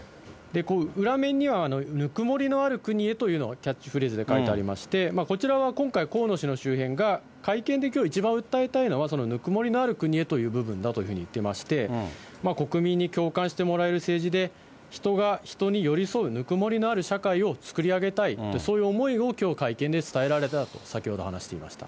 裏面には、ぬくもりのある国へというのが、キャッチフレーズで書いてありまして、こちらは今回、河野氏の周辺が会見できょう、一番訴えたいのはそのぬくもりのある国へという部分だというふうに言ってまして、国民に共感してもらえる政治で、人が人に寄り添うぬくもりのある社会を作り上げたい、そういう思いをきょう、会見で伝えられたらと先ほど話していました。